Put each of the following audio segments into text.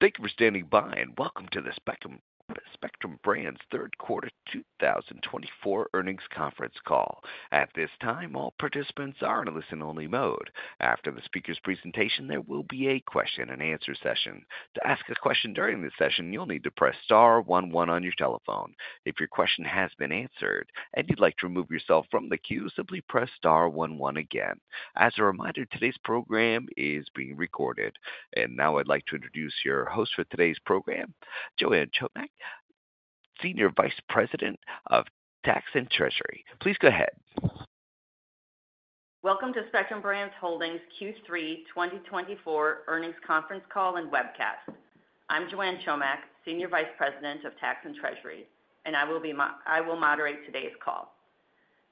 Thank you for standing by, and welcome to the Spectrum Brands- Spectrum Brands third quarter 2024 earnings conference call. At this time, all participants are in a listen-only mode. After the speaker's presentation, there will be a question-and-answer session. To ask a question during this session, you'll need to press star one one on your telephone. If your question has been answered and you'd like to remove yourself from the queue, simply press star one one again. As a reminder, today's program is being recorded. Now I'd like to introduce your host for today's program, Joanne Chomiak, Senior Vice President of Tax and Treasury. Please go ahead. Welcome to Spectrum Brands Holdings Q3 2024 earnings conference call and webcast. I'm Joanne Chomiak, Senior Vice President of Tax and Treasury, and I will moderate today's call.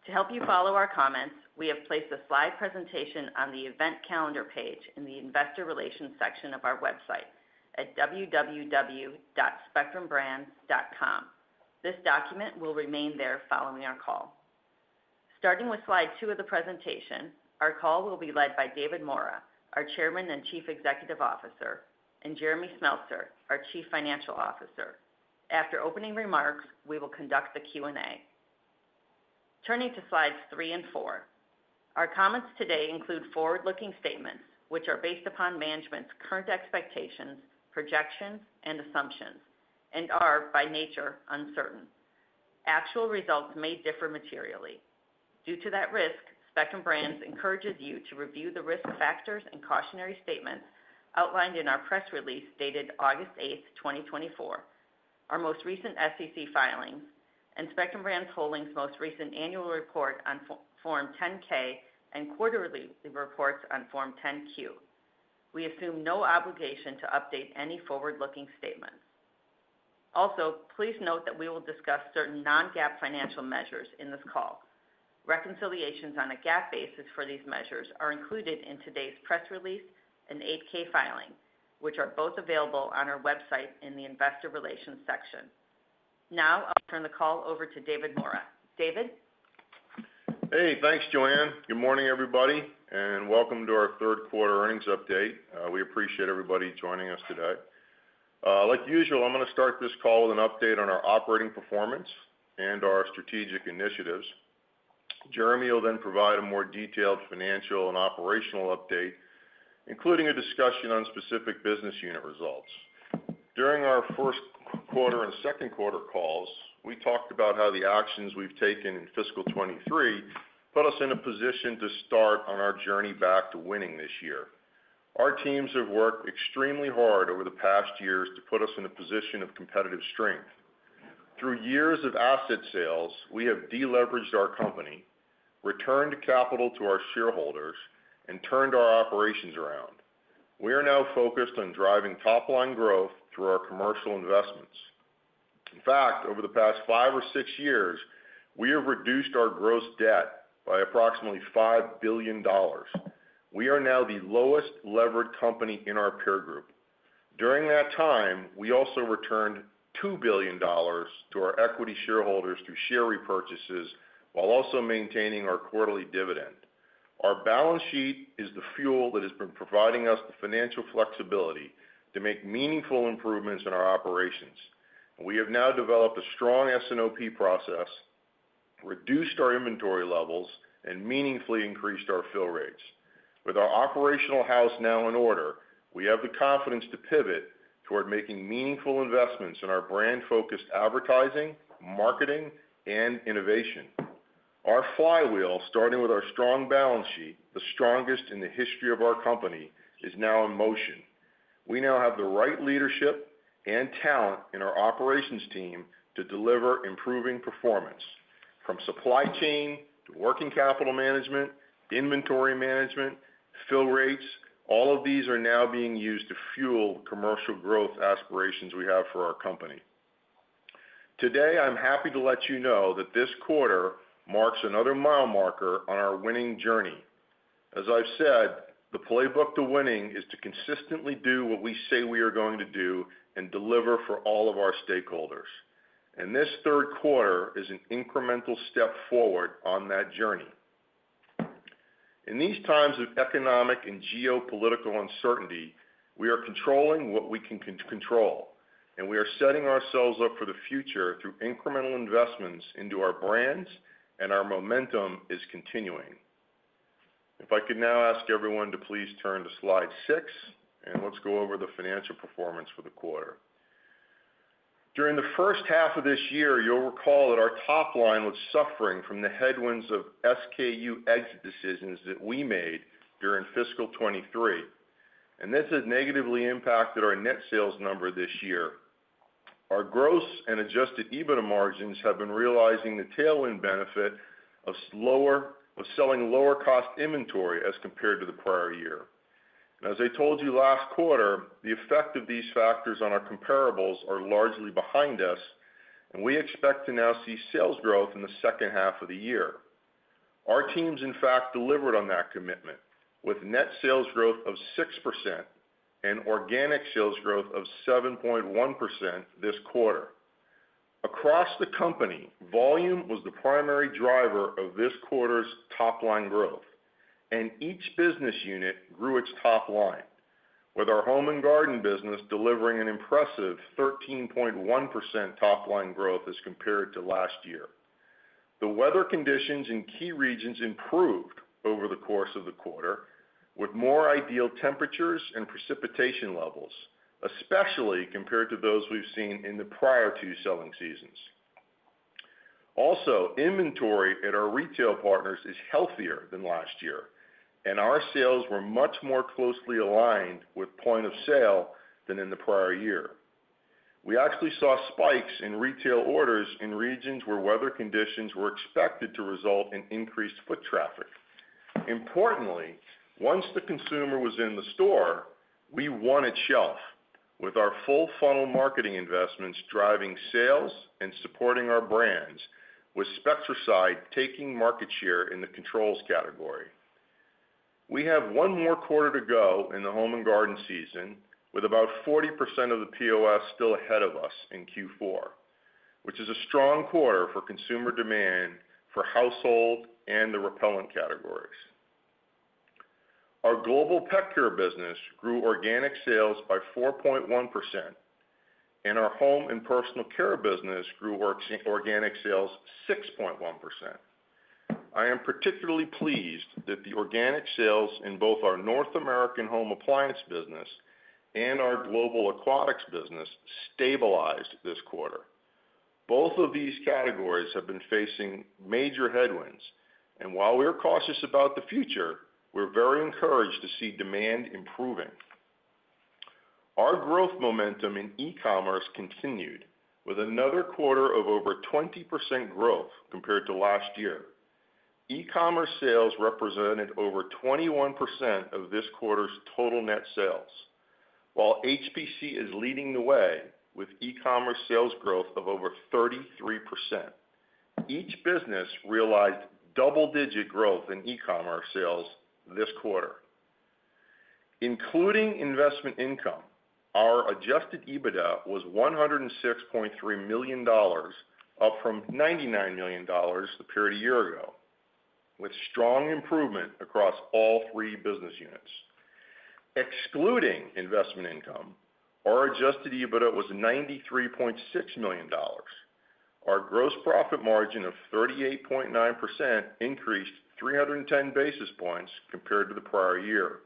To help you follow our comments, we have placed a slide presentation on the event calendar page in the Investor Relations section of our website at www.spectrumbrands.com. This document will remain there following our call. Starting with slide 2 of the presentation, our call will be led by David Maura, our Chairman and Chief Executive Officer, and Jeremy Smeltser, our Chief Financial Officer. After opening remarks, we will conduct the Q&A. Turning to slides 3 and 4. Our comments today include forward-looking statements, which are based upon management's current expectations, projections, and assumptions, and are, by nature, uncertain. Actual results may differ materially. Due to that risk, Spectrum Brands encourages you to review the risk factors and cautionary statements outlined in our press release dated August 8, 2024. Our most recent SEC filings, and Spectrum Brands Holdings' most recent annual report on Form 10-K and quarterly reports on Form 10-Q. We assume no obligation to update any forward-looking statements. Also, please note that we will discuss certain non-GAAP financial measures in this call. Reconciliations on a GAAP basis for these measures are included in today's press release and 8-K filing, which are both available on our website in the Investor Relations section. Now, I'll turn the call over to David Maura. David? Hey, thanks, Joanne. Good morning, everybody, and welcome to our third quarter earnings update. We appreciate everybody joining us today. Like usual, I'm gonna start this call with an update on our operating performance and our strategic initiatives. Jeremy will then provide a more detailed financial and operational update, including a discussion on specific business unit results. During our first quarter and second quarter calls, we talked about how the actions we've taken in fiscal 2023 put us in a position to start on our journey back to winning this year. Our teams have worked extremely hard over the past years to put us in a position of competitive strength. Through years of asset sales, we have deleveraged our company, returned capital to our shareholders, and turned our operations around. We are now focused on driving top-line growth through our commercial investments. In fact, over the past 5 or 6 years, we have reduced our gross debt by approximately $5 billion. We are now the lowest-levered company in our peer group. During that time, we also returned $2 billion to our equity shareholders through share repurchases while also maintaining our quarterly dividend. Our balance sheet is the fuel that has been providing us the financial flexibility to make meaningful improvements in our operations. We have now developed a strong S&OP process, reduced our inventory levels, and meaningfully increased our fill rates. With our operational house now in order, we have the confidence to pivot toward making meaningful investments in our brand-focused advertising, marketing, and innovation. Our flywheel, starting with our strong balance sheet, the strongest in the history of our company, is now in motion. We now have the right leadership and talent in our operations team to deliver improving performance, from supply chain to working capital management, inventory management, fill rates, all of these are now being used to fuel commercial growth aspirations we have for our company. Today, I'm happy to let you know that this quarter marks another mile marker on our winning journey. As I've said, the playbook to winning is to consistently do what we say we are going to do and deliver for all of our stakeholders. And this third quarter is an incremental step forward on that journey. In these times of economic and geopolitical uncertainty, we are controlling what we can control, and we are setting ourselves up for the future through incremental investments into our brands, and our momentum is continuing. If I could now ask everyone to please turn to slide 6, and let's go over the financial performance for the quarter. During the first half of this year, you'll recall that our top line was suffering from the headwinds of SKU exit decisions that we made during fiscal 2023, and this has negatively impacted our net sales number this year. Our gross and Adjusted EBITDA margins have been realizing the tailwind benefit of selling lower-cost inventory as compared to the prior year. As I told you last quarter, the effect of these factors on our comparables are largely behind us, and we expect to now see sales growth in the second half of the year. Our teams, in fact, delivered on that commitment, with net sales growth of 6% and organic sales growth of 7.1% this quarter. Across the company, volume was the primary driver of this quarter's top-line growth, and each business unit grew its top line, with our Home and Garden business delivering an impressive 13.1% top-line growth as compared to last year. The weather conditions in key regions improved over the course of the quarter, with more ideal temperatures and precipitation levels, especially compared to those we've seen in the prior two selling seasons. Also, inventory at our retail partners is healthier than last year, and our sales were much more closely aligned with point of sale than in the prior year. We actually saw spikes in retail orders in regions where weather conditions were expected to result in increased foot traffic. Importantly, once the consumer was in the store, we won at shelf, with our full funnel marketing investments driving sales and supporting our brands, with Spectracide taking market share in the controls category. We have one more quarter to go in the Home and Garden season, with about 40% of the POS still ahead of us in Q4, which is a strong quarter for consumer demand for household and the repellent categories. Our Global Pet Care business grew organic sales by 4.1%, and our Home and Personal Care business grew organic sales 6.1%. I am particularly pleased that the organic sales in both our North American Home Appliance business and our Global Aquatics business stabilized this quarter. Both of these categories have been facing major headwinds, and while we are cautious about the future, we're very encouraged to see demand improving. Our growth momentum in e-commerce continued, with another quarter of over 20% growth compared to last year. E-commerce sales represented over 21% of this quarter's total net sales. While HPC is leading the way with e-commerce sales growth of over 33%, each business realized double-digit growth in e-commerce sales this quarter. Including investment income, our adjusted EBITDA was $106.3 million, up from $99 million the period a year ago, with strong improvement across all three business units. Excluding investment income, our adjusted EBITDA was $93.6 million. Our gross profit margin of 38.9% increased 310 basis points compared to the prior year.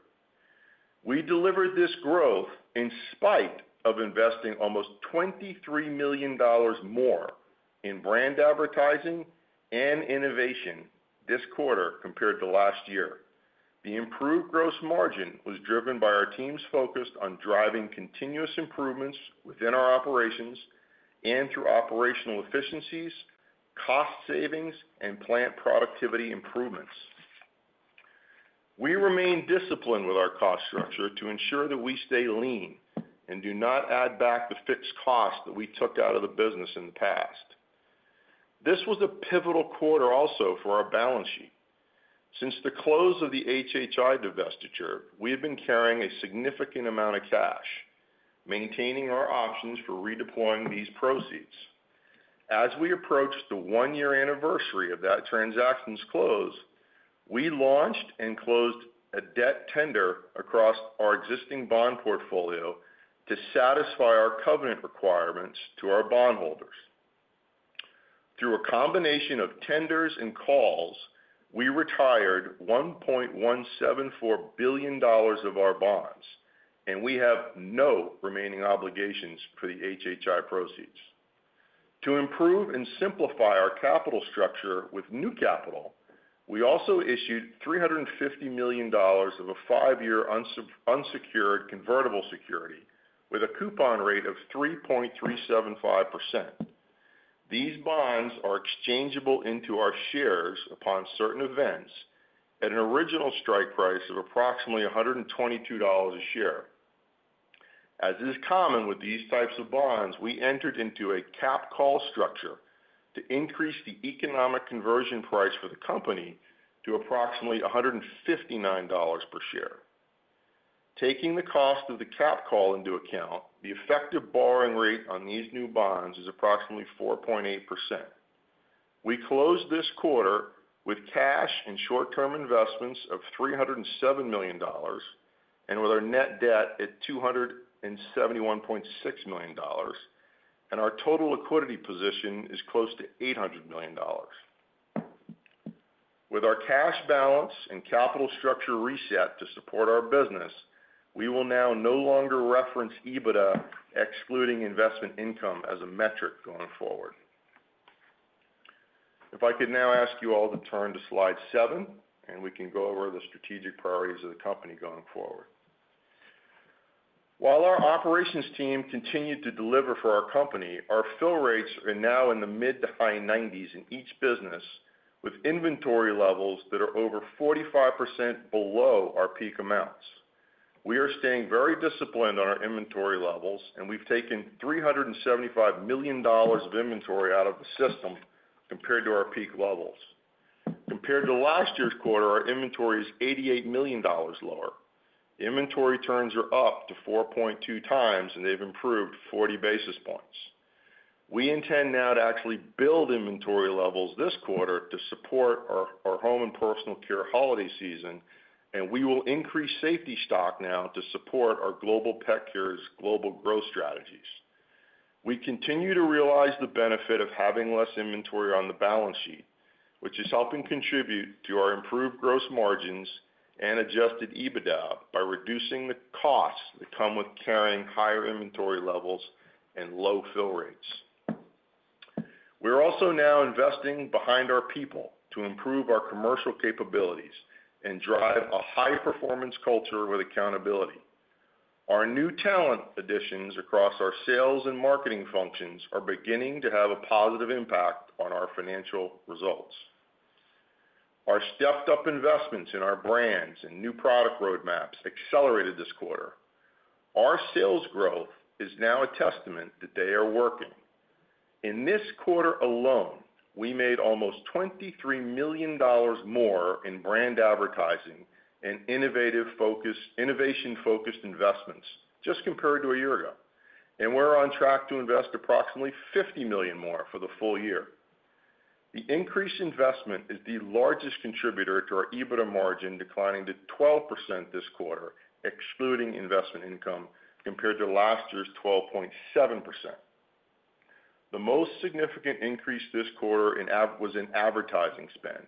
We delivered this growth in spite of investing almost $23 million more in brand advertising and innovation this quarter compared to last year. The improved gross margin was driven by our teams focused on driving continuous improvements within our operations and through operational efficiencies, cost savings, and plant productivity improvements. We remain disciplined with our cost structure to ensure that we stay lean and do not add back the fixed costs that we took out of the business in the past. This was a pivotal quarter also for our balance sheet. Since the close of the HHI divestiture, we have been carrying a significant amount of cash, maintaining our options for redeploying these proceeds. As we approach the one-year anniversary of that transaction's close, we launched and closed a debt tender across our existing bond portfolio to satisfy our covenant requirements to our bondholders. Through a combination of tenders and calls, we retired $1.174 billion of our bonds, and we have no remaining obligations for the HHI proceeds. To improve and simplify our capital structure with new capital, we also issued $350 million of a 5-year unsecured convertible security with a coupon rate of 3.375%. These bonds are exchangeable into our shares upon certain events at an original strike price of approximately $122 a share. As is common with these types of bonds, we entered into a capped call structure to increase the economic conversion price for the company to approximately $159 per share. Taking the cost of the capped call into account, the effective borrowing rate on these new bonds is approximately 4.8%. We closed this quarter with cash and short-term investments of $307 million, and with our net debt at $271.6 million, and our total liquidity position is close to $800 million. With our cash balance and capital structure reset to support our business, we will now no longer reference EBITDA excluding investment income as a metric going forward. If I could now ask you all to turn to slide 7, and we can go over the strategic priorities of the company going forward. While our operations team continued to deliver for our company, our fill rates are now in the mid- to high 90s in each business, with inventory levels that are over 45% below our peak amounts. We are staying very disciplined on our inventory levels, and we've taken $375 million of inventory out of the system compared to our peak levels, compared to last year's quarter, our inventory is $88 million lower. Inventory turns are up to 4.2 times, and they've improved 40 basis points. We intend now to actually build inventory levels this quarter to support our Home and Personal Care holiday season, and we will increase safety stock now to support our Global Pet Care's global growth strategies. We continue to realize the benefit of having less inventory on the balance sheet, which is helping contribute to our improved gross margins and adjusted EBITDA by reducing the costs that come with carrying higher inventory levels and low fill rates. We're also now investing behind our people to improve our commercial capabilities and drive a high-performance culture with accountability. Our new talent additions across our sales and marketing functions are beginning to have a positive impact on our financial results. Our stepped-up investments in our brands and new product roadmaps accelerated this quarter. Our sales growth is now a testament that they are working. In this quarter alone, we made almost $23 million more in brand advertising and innovation-focused investments just compared to a year ago, and we're on track to invest approximately $50 million more for the full year. The increased investment is the largest contributor to our EBITDA margin declining to 12% this quarter, excluding investment income, compared to last year's 12.7%. The most significant increase this quarter was in advertising spend,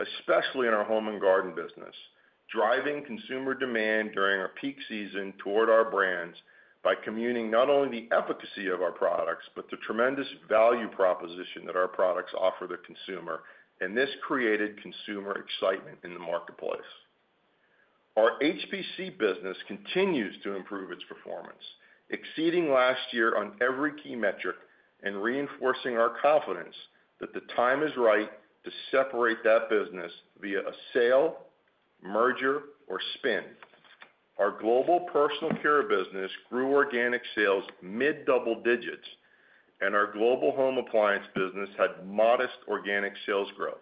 especially in our Home and Garden business, driving consumer demadnd during our peak season toward our brands by communicating not only the efficacy of our products, but the tremendous value proposition that our products offer the consumer, and this created consumer excitement in the marketplace. Our HPC business continues to improve its performance, exceeding last year on every key metric and reinforcing our confidence that the time is right to separate that business via a sale, merger, or spin. Our global personal care business grew organic sales mid-double digits, and our global home appliance business had modest organic sales growth.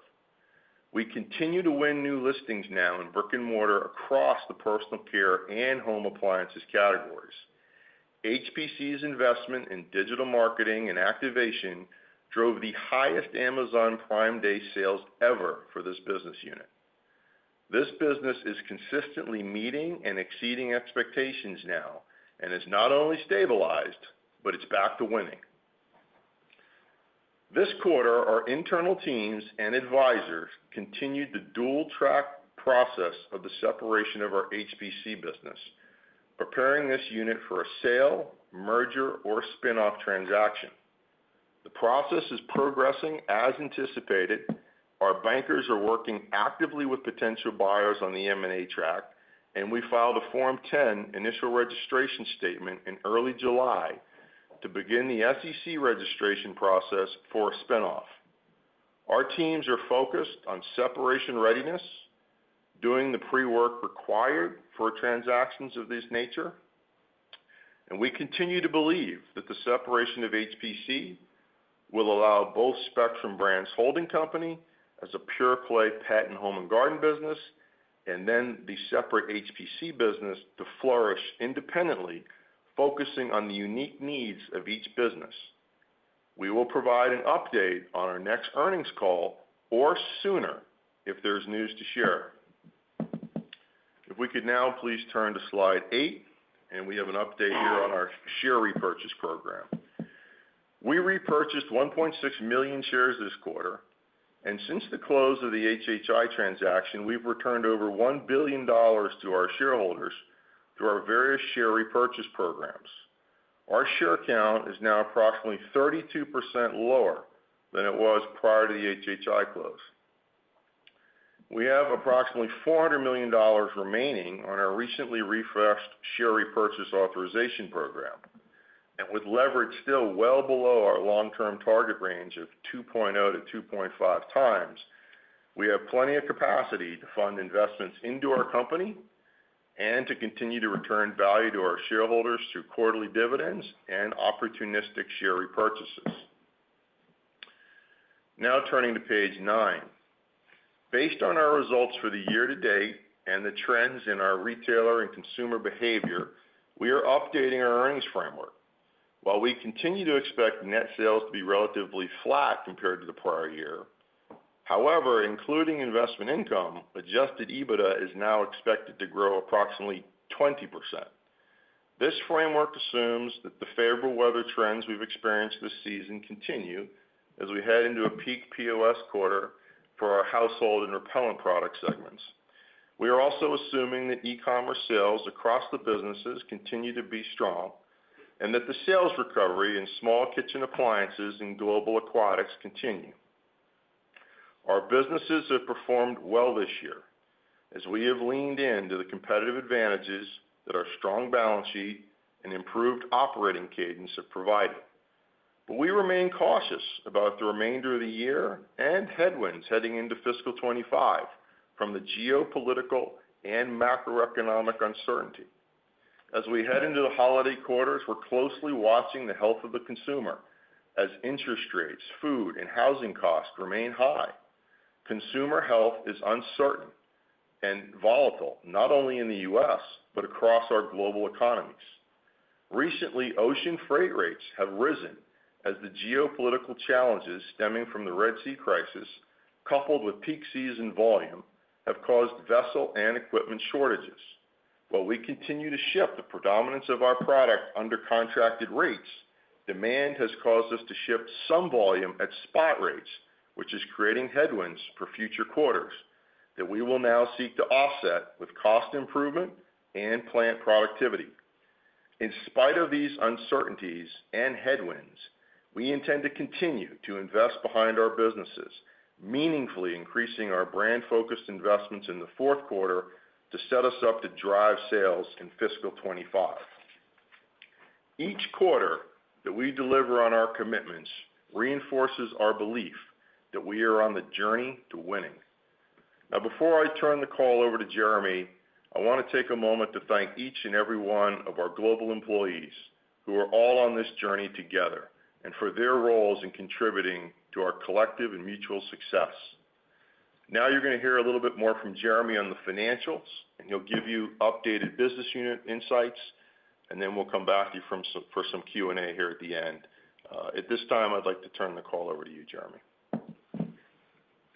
We continue to win new listings now in brick-and-mortar across the personal care and home appliances categories. HPC's investment in digital marketing and activation drove the highest Amazon Prime Day sales ever for this business unit. This business is consistently meeting and exceeding expectations now, and it's not only stabilized, but it's back to winning. This quarter, our internal teams and advisors continued the dual-track process of the separation of our HPC business, preparing this unit for a sale, merger, or spin-off transaction. The process is progressing as anticipated. Our bankers are working actively with potential buyers on the M&A track, and we filed a Form 10 initial registration statement in early July to begin the SEC registration process for a spin-off. Our teams are focused on separation readiness, doing the pre-work required for transactions of this nature, and we continue to believe that the separation of HPC will allow both Spectrum Brands Holdings as a pure-play pet and Home and Garden business, and then the separate HPC business to flourish independently, focusing on the unique needs of each business. We will provide an update on our next earnings call or sooner if there's news to share. If we could now please turn to Slide 8, and we have an update here on our share repurchase program. We repurchased 1.6 million shares this quarter, and since the close of the HHI transaction, we've returned over $1 billion to our shareholders through our various share repurchase programs. Our share count is now approximately 32% lower than it was prior to the HHI close. We have approximately $400 million remaining on our recently refreshed share repurchase authorization program, and with leverage still well below our long-term target range of 2.0-2.5 times, we have plenty of capacity to fund investments into our company and to continue to return value to our shareholders through quarterly dividends and opportunistic share repurchases. Now turning to page 9. Based on our results for the year-to-date and the trends in our retailer and consumer behavior, we are updating our earnings framework. While we continue to expect net sales to be relatively flat compared to the prior year, however, including investment income, Adjusted EBITDA is now expected to grow approximately 20%. This framework assumes that the favorable weather trends we've experienced this season continue as we head into a peak POS quarter for our household and repellent product segments. We are also assuming that e-commerce sales across the businesses continue to be strong and that the sales recovery in small kitchen appliances and global aquatics continue. Our businesses have performed well this year, as we have leaned into the competitive advantages that our strong balance sheet and improved operating cadence have provided. But we remain cautious about the remainder of the year and headwinds heading into fiscal 2025 from the geopolitical and macroeconomic uncertainty. As we head into the holiday quarters, we're closely watching the health of the consumer as interest rates, food, and housing costs remain high. Consumer health is uncertain and volatile, not only in the U.S., but across our global economies. Recently, ocean freight rates have risen as the geopolitical challenges stemming from the Red Sea crisis, coupled with peak season volume, have caused vessel and equipment shortages. While we continue to ship the predominance of our product under contracted rates, demand has caused us to ship some volume at spot rates, which is creating headwinds for future quarters that we will now seek to offset with cost improvement and plant productivity. In spite of these uncertainties and headwinds, we intend to continue to invest behind our businesses, meaningfully increasing our brand-focused investments in the fourth quarter to set us up to drive sales in fiscal 25. Each quarter that we deliver on our commitments reinforces our belief that we are on the journey to winning. Now, before I turn the call over to Jeremy, I want to take a moment to thank each and every one of our global employees who are all on this journey together and for their roles in contributing to our collective and mutual success. Now, you're gonna hear a little bit more from Jeremy on the financials, and he'll give you updated business unit insights, and then we'll come back to you for some Q&A here at the end. At this time, I'd like to turn the call over to you, Jeremy.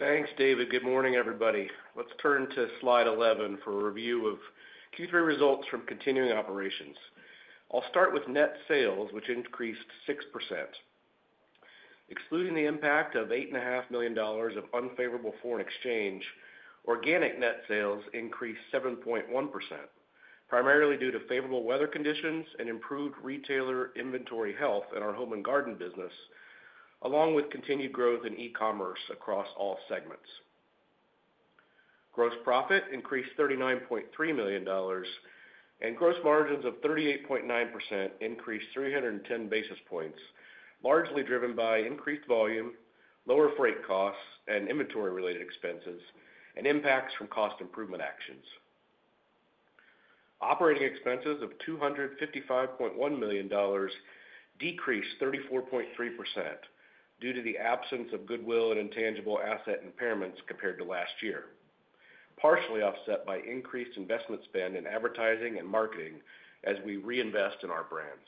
Thanks, David. Good morning, everybody. Let's turn to slide 11 for a review of Q3 results from continuing operations. I'll start with net sales, which increased 6%. Excluding the impact of $8.5 million of unfavorable foreign exchange, organic net sales increased 7.1%, primarily due to favorable weather conditions and improved retailer inventory health in our Home and Garden business, along with continued growth in e-commerce across all segments. Gross profit increased $39.3 million, and gross margins of 38.9% increased 310 basis points, largely driven by increased volume, lower freight costs and inventory-related expenses, and impacts from cost improvement actions. Operating expenses of $255.1 million decreased 34.3% due to the absence of goodwill and intangible asset impairments compared to last year, partially offset by increased investment spend in advertising and marketing as we reinvest in our brands.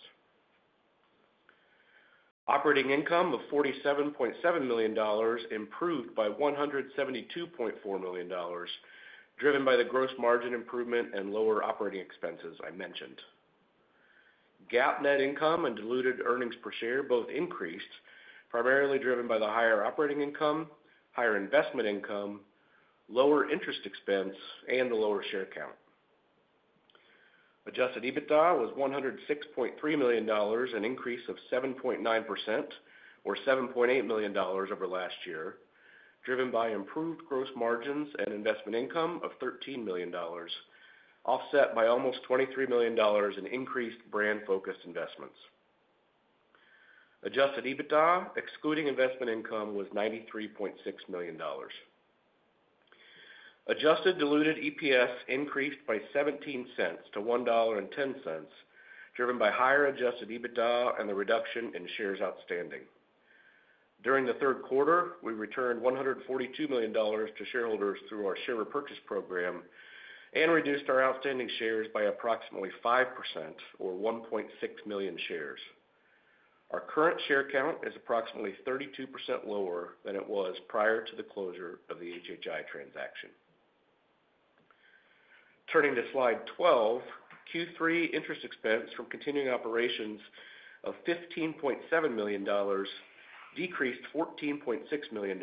Operating income of $47.7 million improved by $172.4 million, driven by the gross margin improvement and lower operating expenses I mentioned. GAAP net income and diluted earnings per share both increased, primarily driven by the higher operating income, higher investment income, lower interest expense, and the lower share count. Adjusted EBITDA was $106.3 million, an increase of 7.9% or $7.8 million over last year, driven by improved gross margins and investment income of $13 million, offset by almost $23 million in increased brand-focused investments. Adjusted EBITDA, excluding investment income, was $93.6 million. Adjusted diluted EPS increased by $0.17 to $1.10, driven by higher adjusted EBITDA and the reduction in shares outstanding. During the third quarter, we returned $142 million to shareholders through our share repurchase program and reduced our outstanding shares by approximately 5% or 1.6 million shares. Our current share count is approximately 32% lower than it was prior to the closure of the HHI transaction. Turning to slide 12, Q3 interest expense from continuing operations of $15.7 million decreased $14.6 million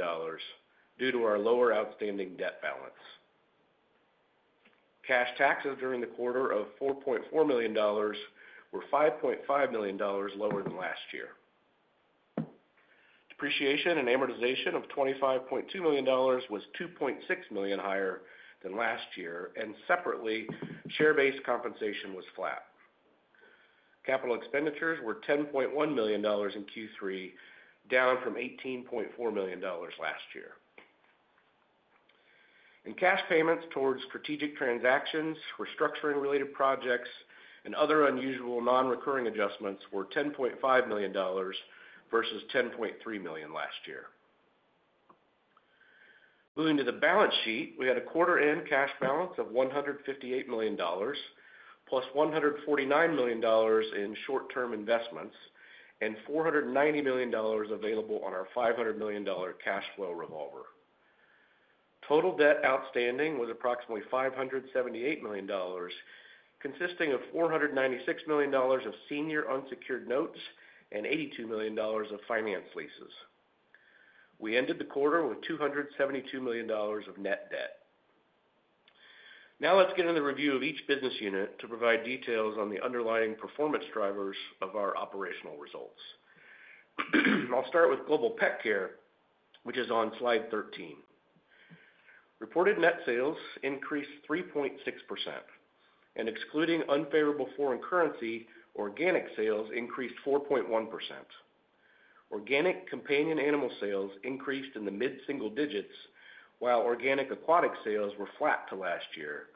due to our lower outstanding debt balance. Cash taxes during the quarter of $4.4 million were $5.5 million lower than last year. Depreciation and amortization of $25.2 million was $2.6 million higher than last year, and separately, share-based compensation was flat. Capital expenditures were $10.1 million in Q3, down from $18.4 million last year. Cash payments towards strategic transactions, restructuring related projects, and other unusual non-recurring adjustments were $10.5 million versus $10.3 million last year. Moving to the balance sheet, we had a quarter-end cash balance of $158 million, plus $149 million in short-term investments, and $490 million available on our $500 million cash flow revolver. Total debt outstanding was approximately $578 million, consisting of $496 million of senior unsecured notes and $82 million of finance leases. We ended the quarter with $272 million of net debt. Now, let's get into the review of each business unit to provide details on the underlying performance drivers of our operational results. I'll start with Global Pet Care, which is on slide 13. Reported net sales increased 3.6%, and excluding unfavorable foreign currency, organic sales increased 4.1%. Organic companion animal sales increased in the mid-single digits, while organic aquatic sales were flat to last year,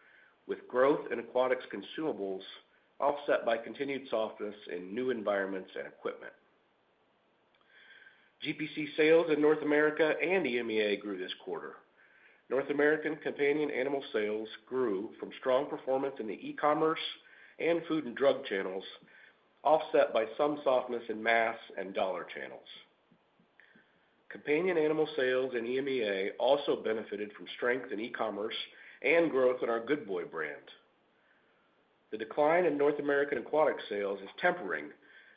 with growth in aquatics consumables offset by continued softness in new environments and equipment. GPC sales in North America and EMEA grew this quarter. North American companion animal sales grew from strong performance in the e-commerce and food and drug channels, offset by some softness in mass and dollar channels. Companion animal sales in EMEA also benefited from strength in e-commerce and growth in our Good Boy brand. The decline in North American aquatic sales is tempering,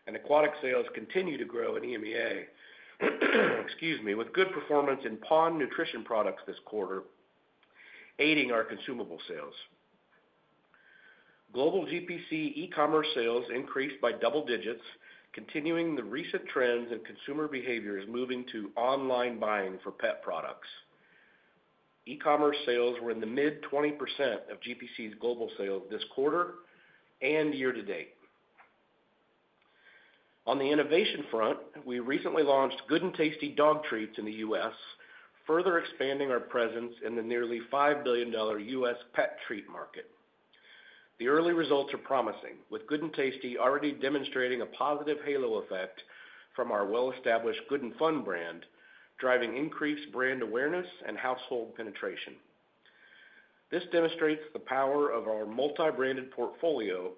and aquatic sales continue to grow in EMEA, excuse me, with good performance in pond nutrition products this quarter, aiding our consumable sales. Global GPC e-commerce sales increased by double digits, continuing the recent trends in consumer behaviors moving to online buying for pet products. E-commerce sales were in the mid-20% of GPC's global sales this quarter and year to date. On the innovation front, we recently launched Good 'n' Tasty dog treats in the US, further expanding our presence in the nearly $5 billion US pet treat market. The early results are promising, with Good 'n' Tasty already demonstrating a positive halo effect from our well-established Good 'n' Fun brand, driving increased brand awareness and household penetration. This demonstrates the power of our multi-branded portfolio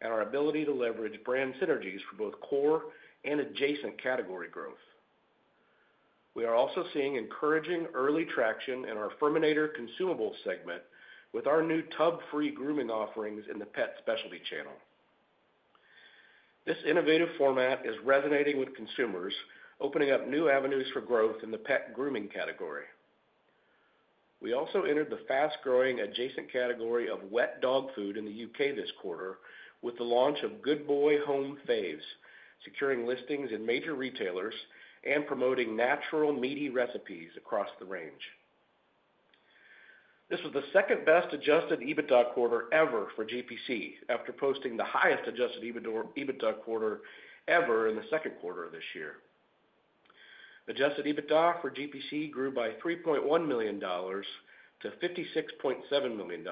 and our ability to leverage brand synergies for both core and adjacent category growth. We are also seeing encouraging early traction in our FURminator consumable segment with our new tub-free grooming offerings in the pet specialty channel. This innovative format is resonating with consumers, opening up new avenues for growth in the pet grooming category. We also entered the fast-growing adjacent category of wet dog food in the UK this quarter with the launch of Good Boy Home Faves, securing listings in major retailers and promoting natural, meaty recipes across the range. This was the second-best adjusted EBITDA quarter ever for GPC, after posting the highest adjusted EBITDA quarter ever in the second quarter of this year. Adjusted EBITDA for GPC grew by $3.1 million to $56.7 million,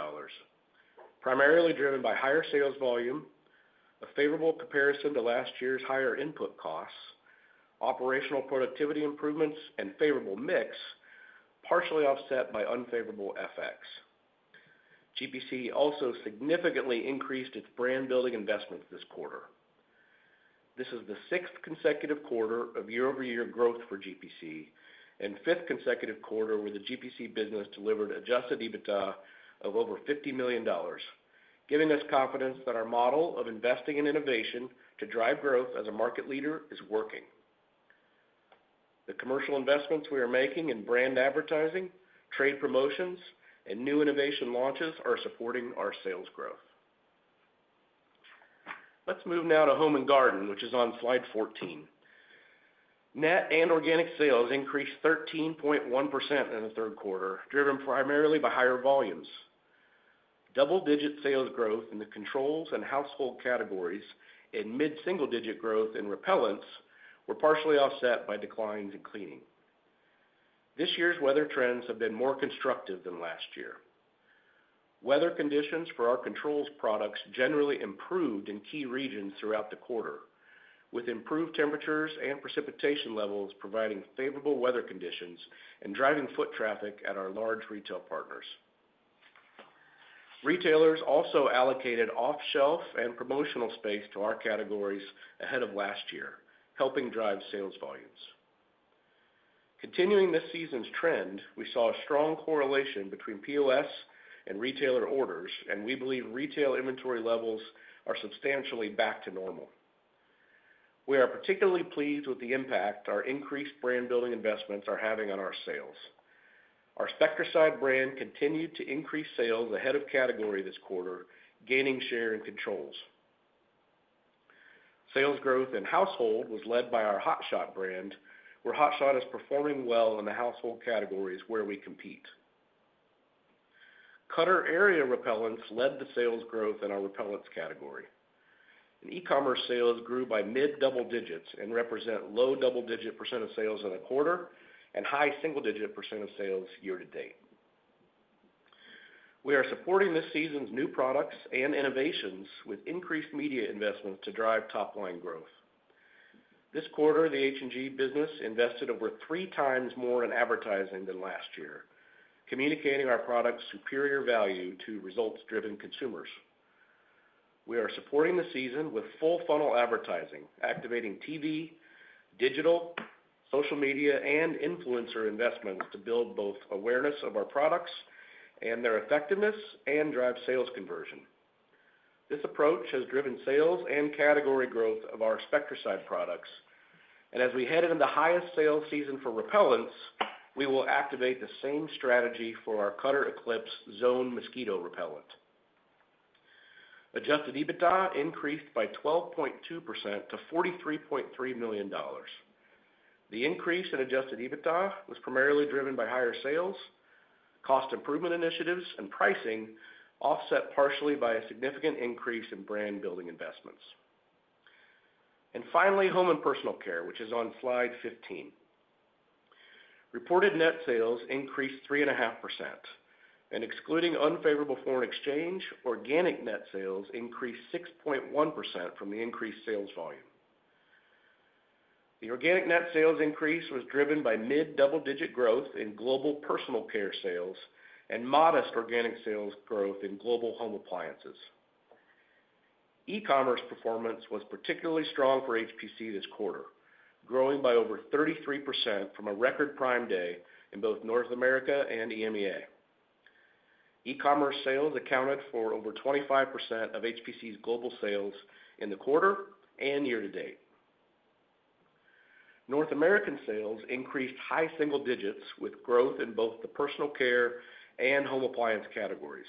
primarily driven by higher sales volume, a favorable comparison to last year's higher input costs, operational productivity improvements, and favorable mix, partially offset by unfavorable FX. GPC also significantly increased its brand-building investments this quarter. This is the 6th consecutive quarter of year-over-year growth for GPC, and 5th consecutive quarter where the GPC business delivered adjusted EBITDA of over $50 million, giving us confidence that our model of investing in innovation to drive growth as a market leader is working. The commercial investments we are making in brand advertising, trade promotions, and new innovation launches are supporting our sales growth. Let's move now to Home and Garden, which is on slide 14. Net and organic sales increased 13.1% in the third quarter, driven primarily by higher volumes. Double-digit sales growth in the controls and household categories and mid-single-digit growth in repellents were partially offset by declines in cleaning. This year's weather trends have been more constructive than last year. Weather conditions for our controls products generally improved in key regions throughout the quarter, with improved temperatures and precipitation levels providing favorable weather conditions and driving foot traffic at our large retail partners. Retailers also allocated off-shelf and promotional space to our categories ahead of last year, helping drive sales volumes. Continuing this season's trend, we saw a strong correlation between POS and retailer orders, and we believe retail inventory levels are substantially back to normal. We are particularly pleased with the impact our increased brand-building investments are having on our sales. Our Spectracide brand continued to increase sales ahead of category this quarter, gaining share and controls. Sales growth in household was led by our Hot Shot brand, where Hot Shot is performing well in the household categories where we compete. Cutter Ant Repellent led to sales growth in our repellents category, and e-commerce sales grew by mid-double digits and represent low double-digit % of sales in the quarter and high single-digit % of sales year to date. We are supporting this season's new products and innovations with increased media investments to drive top-line growth. This quarter, the H&G business invested over three times more in advertising than last year, communicating our product's superior value to results-driven consumers. We are supporting the season with full-funnel advertising, activating TV, digital, social media, and influencer investments to build both awareness of our products and their effectiveness and drive sales conversion. This approach has driven sales and category growth of our Spectracide products, and as we head into the highest sales season for repellents, we will activate the same strategy for our Cutter Eclipse Zone Mosquito Repellent. Adjusted EBITDA increased by 12.2% to $43.3 million. The increase in adjusted EBITDA was primarily driven by higher sales, cost improvement initiatives and pricing, offset partially by a significant increase in brand-building investments. And finally, Home and Personal Care, which is on Slide 15. Reported net sales increased 3.5%, and excluding unfavorable foreign exchange, organic net sales increased 6.1% from the increased sales volume. The organic net sales increase was driven by mid-double-digit growth in global personal care sales and modest organic sales growth in global home appliances. E-commerce performance was particularly strong for HPC this quarter, growing by over 33% from a record Prime Day in both North America and EMEA. E-commerce sales accounted for over 25% of HPC's global sales in the quarter and year to date. North American sales increased high single digits, with growth in both the personal care and home appliance categories.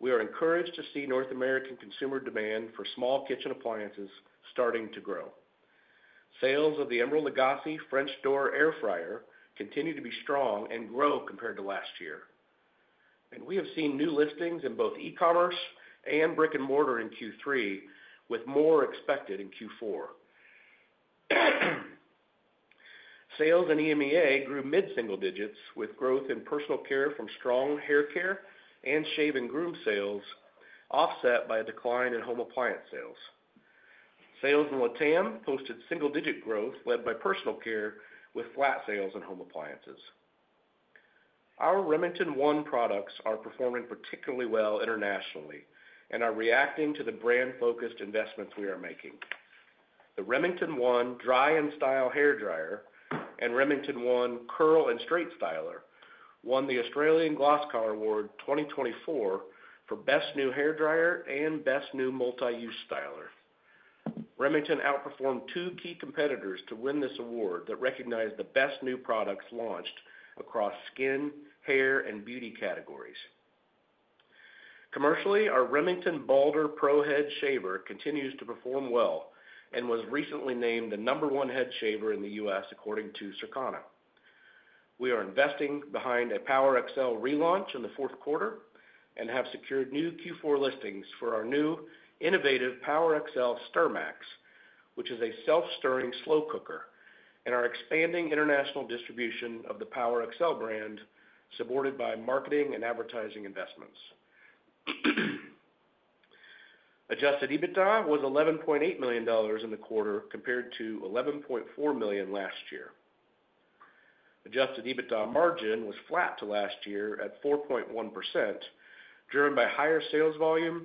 We are encouraged to see North American consumer demand for small kitchen appliances starting to grow. Sales of the Emeril Lagasse French Door Air Fryer continue to be strong and grow compared to last year. We have seen new listings in both e-commerce and brick-and-mortar in Q3, with more expected in Q4. Sales in EMEA grew mid-single digits, with growth in personal care from strong hair care and shave and groom sales, offset by a decline in home appliance sales. Sales in LATAM posted single-digit growth, led by personal care, with flat sales in home appliances. Our Remington One products are performing particularly well internationally and are reacting to the brand-focused investments we are making. The Remington One Dry and Style Hairdryer and Remington One Curl and Straight Styler won the Australian Glossies Award 2024 for Best New Hairdryer and Best New Multi-Use Styler. Remington outperformed two key competitors to win this award that recognized the best new products launched across skin, hair, and beauty categories. Commercially, our Remington Balder Pro Head Shaver continues to perform well and was recently named the No. 1 head shaver in the U.S., according to Circana. We are investing behind a PowerXL relaunch in the fourth quarter and have secured new Q4 listings for our new innovative PowerXL StirMax, which is a self-stirring slow cooker, and are expanding international distribution of the PowerXL brand, supported by marketing and advertising investments. Adjusted EBITDA was $11.8 million in the quarter, compared to $11.4 million last year. Adjusted EBITDA margin was flat to last year at 4.1%, driven by higher sales volume,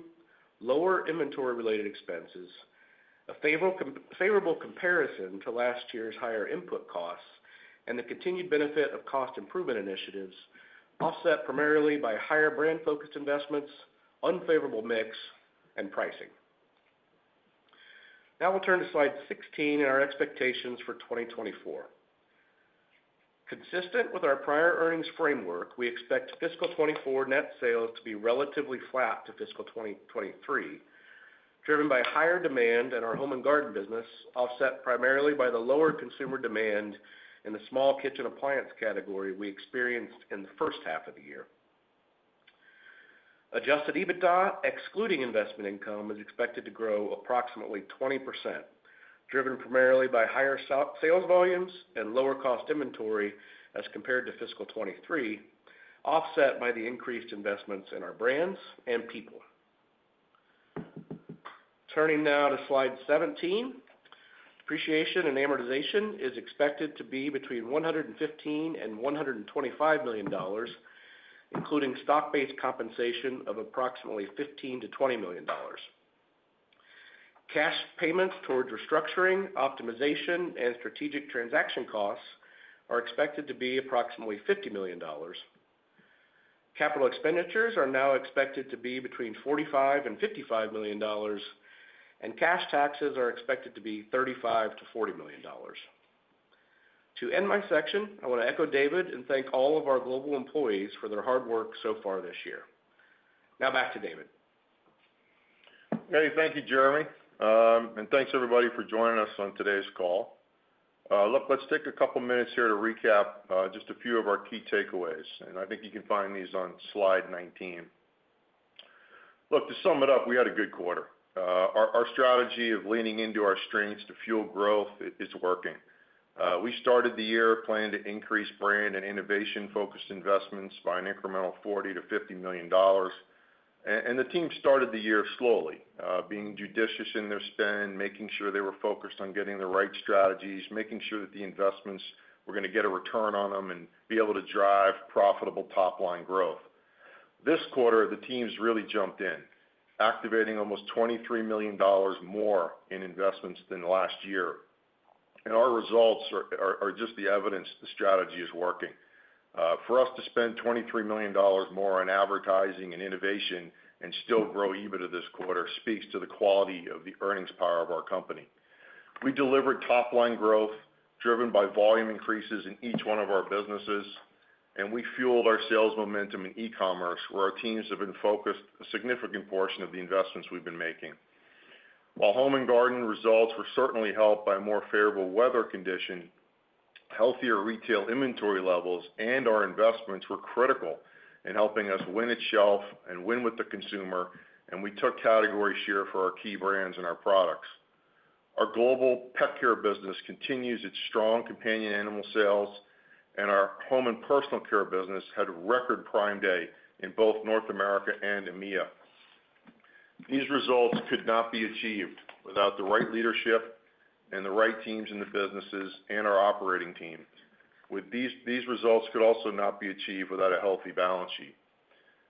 lower inventory-related expenses, a favorable comparison to last year's higher input costs, and the continued benefit of cost improvement initiatives, offset primarily by higher brand-focused investments, unfavorable mix, and pricing. Now we'll turn to Slide 16 and our expectations for 2024. Consistent with our prior earnings framework, we expect fiscal 2024 net sales to be relatively flat to fiscal 2023, driven by higher demand in our Home and Garden business, offset primarily by the lower consumer demand in the small kitchen appliance category we experienced in the first half of the year. Adjusted EBITDA, excluding investment income, is expected to grow approximately 20%, driven primarily by higher sales volumes and lower cost inventory as compared to fiscal 2023, offset by the increased investments in our brands and people. Turning now to Slide 17, depreciation and amortization is expected to be between $115 million and $125 million, including stock-based compensation of approximately $15 million-$20 million. Cash payments towards restructuring, optimization, and strategic transaction costs are expected to be approximately $50 million. Capital expenditures are now expected to be between $45 million-$55 million, and cash taxes are expected to be $35 million-$40 million. To end my section, I want to echo David and thank all of our global employees for their hard work so far this year. Now, back to David. Hey, thank you, Jeremy, and thanks everybody for joining us on today's call. Look, let's take a couple minutes here to recap just a few of our key takeaways, and I think you can find these on Slide 19. Look, to sum it up, we had a good quarter. Our strategy of leaning into our strengths to fuel growth is working. We started the year planning to increase brand and innovation-focused investments by an incremental $40 million-$50 million, and the team started the year slowly, being judicious in their spend, making sure they were focused on getting the right strategies, making sure that the investments were gonna get a return on them and be able to drive profitable top-line growth. This quarter, the teams really jumped in, activating almost $23 million more in investments than last year. And our results are just the evidence the strategy is working. For us to spend $23 million more on advertising and innovation and still grow EBITDA this quarter speaks to the quality of the earnings power of our company. We delivered top-line growth, driven by volume increases in each one of our businesses, and we fueled our sales momentum in e-commerce, where our teams have been focused a significant portion of the investments we've been making.... While Home and Garden results were certainly helped by more favorable weather condition, healthier retail inventory levels and our investments were critical in helping us win at shelf and win with the consumer, and we took category share for our key brands and our products. Our Global Pet Care business continues its strong companion animal sales, and our home and personal care business had a record Prime Day in both North America and EMEA. These results could not be achieved without the right leadership and the right teams in the businesses and our operating teams. With these, these results could also not be achieved without a healthy balance sheet.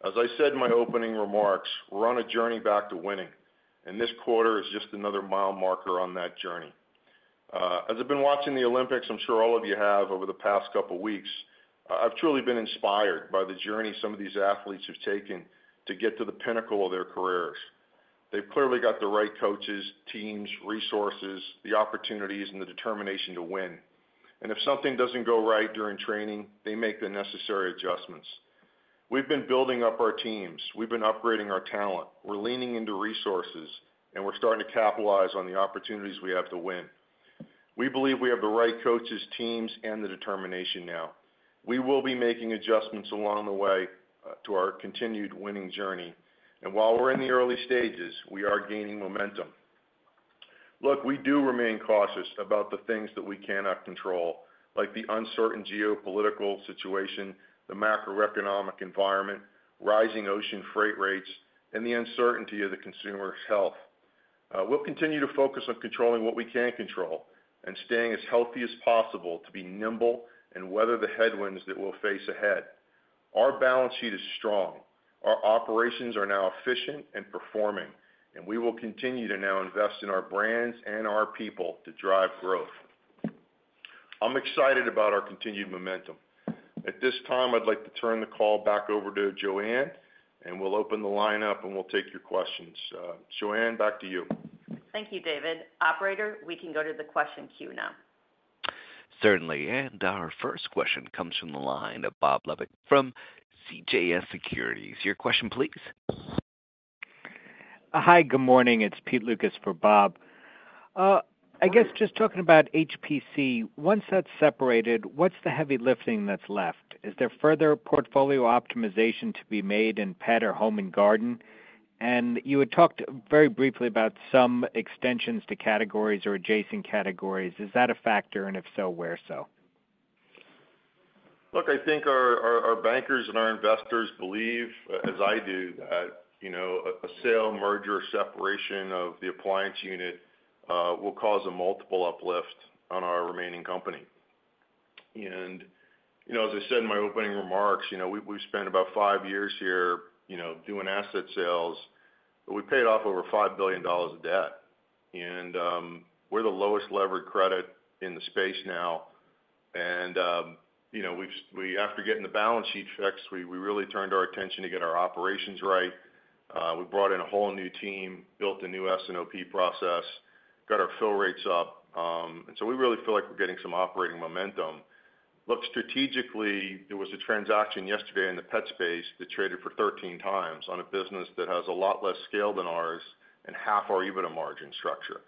As I said in my opening remarks, we're on a journey back to winning, and this quarter is just another mile marker on that journey. As I've been watching the Olympics, I'm sure all of you have over the past couple weeks, I've truly been inspired by the journey some of these athletes have taken to get to the pinnacle of their careers. They've clearly got the right coaches, teams, resources, the opportunities and the determination to win. If something doesn't go right during training, they make the necessary adjustments. We've been building up our teams. We've been upgrading our talent. We're leaning into resources, and we're starting to capitalize on the opportunities we have to win. We believe we have the right coaches, teams, and the determination now. We will be making adjustments along the way to our continued winning journey. While we're in the early stages, we are gaining momentum. Look, we do remain cautious about the things that we cannot control, like the uncertain geopolitical situation, the macroeconomic environment, rising ocean freight rates, and the uncertainty of the consumer's health. We'll continue to focus on controlling what we can control and staying as healthy as possible to be nimble and weather the headwinds that we'll face ahead. Our balance sheet is strong. Our operations are now efficient and performing, and we will continue to now invest in our brands and our people to drive growth. I'm excited about our continued momentum. At this time, I'd like to turn the call back over to Joanne, and we'll open the line up, and we'll take your questions. Joanne, back to you. Thank you, David. Operator, we can go to the question queue now. Certainly. Our first question comes from the line of Bob Labick from CJS Securities. Your question, please. Hi, good morning. It's Pete Lucas for Bob. I guess just talking about HPC, once that's separated, what's the heavy lifting that's left? Is there further portfolio optimization to be made in pet or Home and Garden? And you had talked very briefly about some extensions to categories or adjacent categories. Is that a factor, and if so, where so? Look, I think our bankers and our investors believe, as I do, that, you know, a sale, merger, separation of the appliance unit will cause a multiple uplift on our remaining company. And, you know, as I said in my opening remarks, you know, we spent about five years here, you know, doing asset sales. We paid off over $5 billion of debt, and we're the lowest levered credit in the space now. And, you know, we've, after getting the balance sheet fixed, we really turned our attention to get our operations right. We brought in a whole new team, built a new S&OP process, got our fill rates up, and so we really feel like we're getting some operating momentum. Look, strategically, there was a transaction yesterday in the pet space that traded for 13x on a business that has a lot less scale than ours and half our EBITDA margin structure.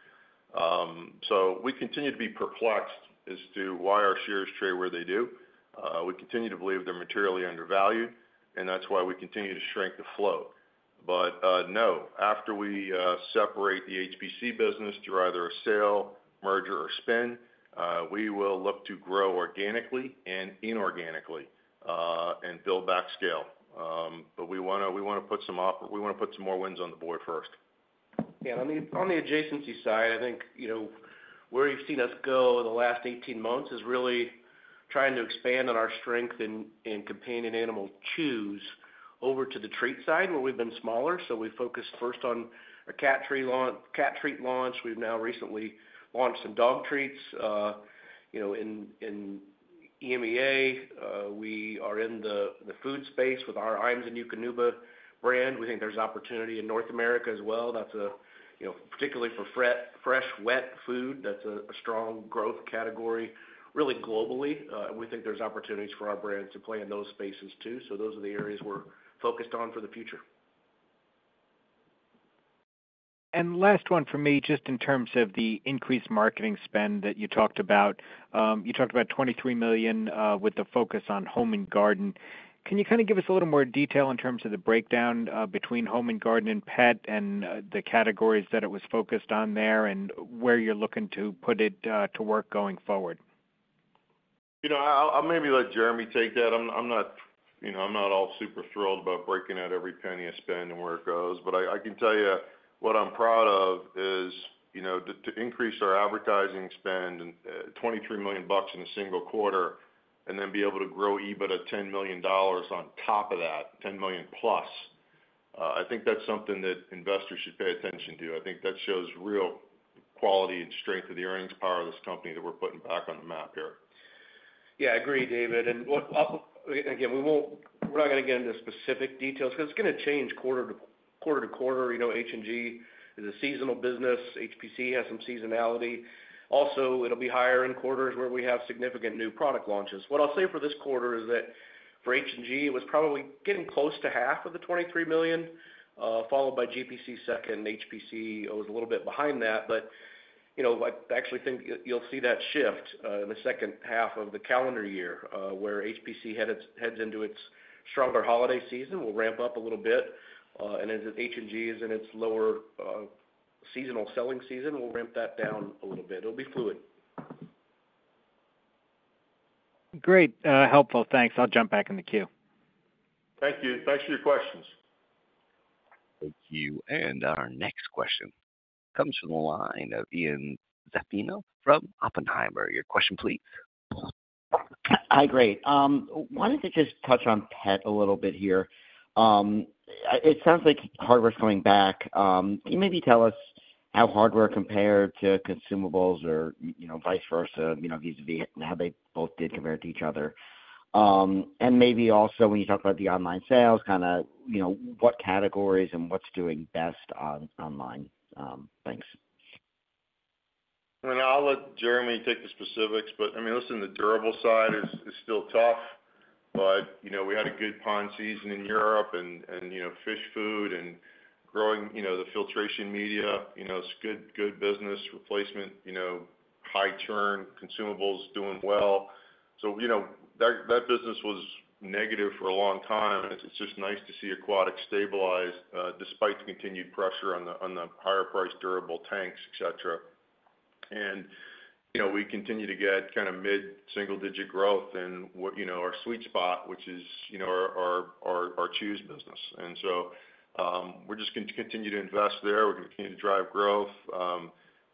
So, we continue to be perplexed as to why our shares trade where they do. We continue to believe they're materially undervalued, and that's why we continue to shrink the float. But no, after we separate the HPC business through either a sale, merger, or spin, we will look to grow organically and inorganically and build back scale. But we wanna put some more wins on the board first. Yeah, on the adjacency side, I think, you know, where you've seen us go in the last 18 months is really trying to expand on our strength in companion animal chews over to the treat side, where we've been smaller. So, we focused first on a cat tree launch—cat treat launch. We've now recently launched some dog treats. You know, in EMEA, we are in the food space with our Iams and Eukanuba brand. We think there's opportunity in North America as well. That's, you know, particularly for fresh wet food, that's a strong growth category, really globally. We think there's opportunities for our brand to play in those spaces too. So those are the areas we're focused on for the future. Last one from me, just in terms of the increased marketing spend that you talked about. You talked about $23 million, with the focus on Home and Garden. Can you kind of give us a little more detail in terms of the breakdown, between Home and Garden and pet and the categories that it was focused on there and where you're looking to put it, to work going forward? You know, I'll maybe let Jeremy take that. I'm not, you know, I'm not all super thrilled about breaking out every penny I spend and where it goes. But I can tell you what I'm proud of is, you know, to increase our advertising spend and $23 million in a single quarter, and then be able to grow EBITDA $10 million on top of that, $10 million plus. I think that's something that investors should pay attention to. I think that shows real quality and strength of the earnings power of this company that we're putting back on the map here. Yeah, I agree, David. What I'll—again, we won't, we're not gonna get into specific details because it's gonna change quarter to quarter to quarter. You know, H&G is a seasonal business. HPC has some seasonality. Also, it'll be higher in quarters where we have significant new product launches. What I'll say for this quarter is that for H&G, it was probably getting close to half of the $23 million, followed by GPC second, HPC was a little bit behind that. But... you know, I actually think you'll see that shift in the second half of the calendar year, where HPC heads into its stronger holiday season. We'll ramp up a little bit, and as H&G is in its lower seasonal selling season, we'll ramp that down a little bit. It'll be fluid. Great, helpful. Thanks. I'll jump back in the queue. Thank you. Thanks for your questions. Thank you. And our next question comes from the line of Ian Zaffino from Oppenheimer. Your question please. Hi, great. Wanted to just touch on pet a little bit here. It sounds like hardware's coming back. Can you maybe tell us how hardware compared to consumables or, you know, vice versa, you know, vis-a-vis, how they both did compare to each other? And maybe also, when you talk about the online sales, kind of, you know, what categories and what's doing best online? Thanks. I mean, I'll let Jeremy take the specifics, but, I mean, listen, the durable side is still tough. But, you know, we had a good pond season in Europe, and, you know, fish food and growing, you know, the filtration media, you know, it's good, good business replacement, you know, high churn, consumables doing well. So, you know, that business was negative for a long time, and it's just nice to see aquatic stabilize, despite the continued pressure on the, on the higher priced durable tanks, et cetera. And, you know, we continue to get kind of mid-single digit growth in what, you know, our sweet spot, which is, you know, our Chews business. And so, we're just going to continue to invest there. We're going to continue to drive growth.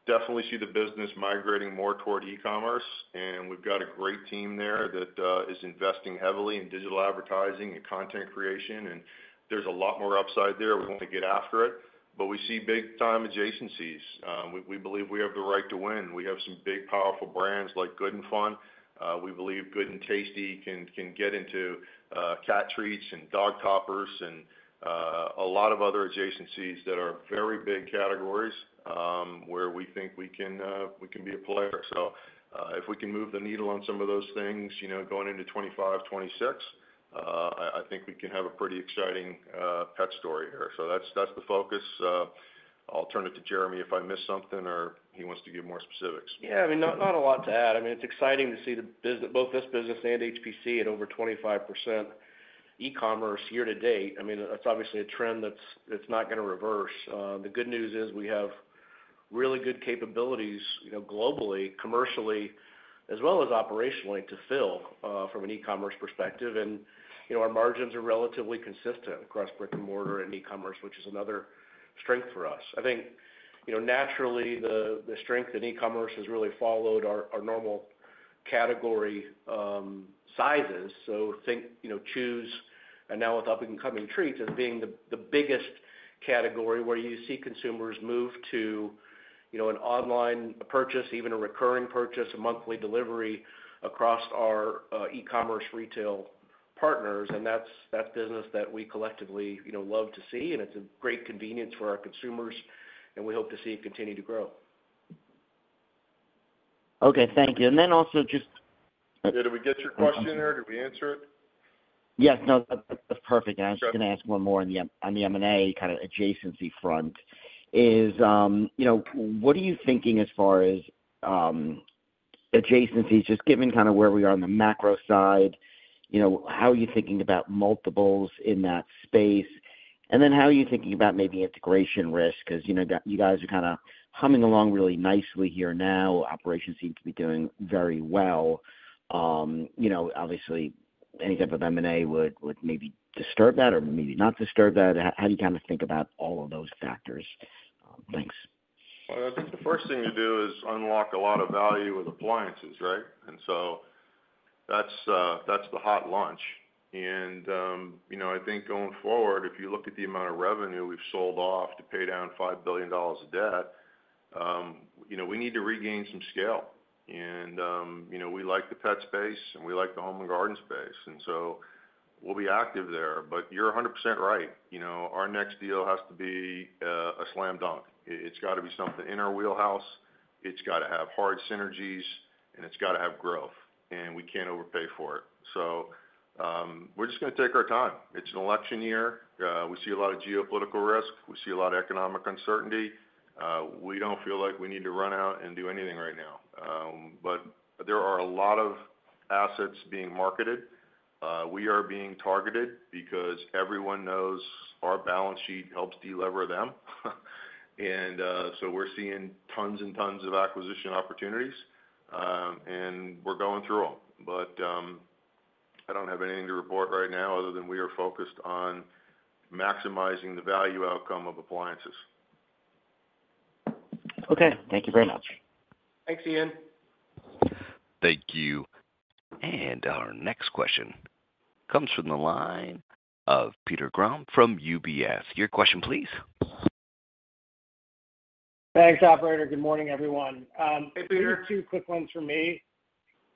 Definitely see the business migrating more toward e-commerce, and we've got a great team there that is investing heavily in digital advertising and content creation, and there's a lot more upside there. We want to get after it, but we see big time adjacencies. We believe we have the right to win. We have some big, powerful brands like Good & Fun. We believe Good & Tasty can get into cat treats and dog toppers and a lot of other adjacencies that are very big categories, where we think we can be a player. So, if we can move the needle on some of those things, you know, going into 2025, 2026, I think we can have a pretty exciting pet story here. So that's the focus. I'll turn it to Jeremy if I missed something or he wants to give more specifics. Yeah, I mean, not, not a lot to add. I mean, it's exciting to see both this business and HPC at over 25% e-commerce year to date. I mean, that's obviously a trend that's, that's not gonna reverse. The good news is we have really good capabilities, you know, globally, commercially, as well as operationally to fill from an e-commerce perspective. And, you know, our margins are relatively consistent across brick-and-mortar and e-commerce, which is another strength for us. I think, you know, naturally, the strength in e-commerce has really followed our normal category sizes. So, think, you know, Chews, and now with up-and-coming treats as being the, the biggest category, where you see consumers move to, you know, an online purchase, even a recurring purchase, a monthly delivery across our e-commerce retail partners. And that's, that's business that we collectively, you know, love to see, and it's a great convenience for our consumers, and we hope to see it continue to grow. Okay, thank you. And then also just- Did we get your question there? Did we answer it? Yes. No, that's, that's perfect. Sure. I was just gonna ask one more on the M&A kind of adjacency front, is, you know, what are you thinking as far as, adjacencies, just given kind of where we are on the macro side? You know, how are you thinking about multiples in that space? And then how are you thinking about maybe integration risk? Because, you know, that you guys are kind of humming along really nicely here now. Operations seem to be doing very well. You know, obviously, any type of M&A would maybe disturb that or maybe not disturb that. How do you kind of think about all of those factors? Thanks. Well, I think the first thing to do is unlock a lot of value with Appliances, right? And so, that's the hot launch. And, you know, I think going forward, if you look at the amount of revenue we've sold off to pay down $5 billion of debt, you know, we need to regain some scale. And, you know, we like the pet space, and we like the Home and Garden space, and so, we'll be active there. But you're 100% right. You know, our next deal has to be a slam dunk. It, it's got to be something in our wheelhouse, it's got to have hard synergies, and it's got to have growth, and we can't overpay for it. So, we're just gonna take our time. It's an election year. We see a lot of geopolitical risk. We see a lot of economic uncertainty. We don't feel like we need to run out and do anything right now. But there are a lot of assets being marketed. We are being targeted because everyone knows our balance sheet helps delever them. And so, we're seeing tons and tons of acquisition opportunities, and we're going through them. But I don't have anything to report right now other than we are focused on maximizing the value outcome of Appliances. Okay, thank you very much. Thanks, Ian. Thank you. Our next question comes from the line of Peter Grom from UBS. Your question please. Thanks, operator. Good morning, everyone. Hey, Peter. Two quick ones from me.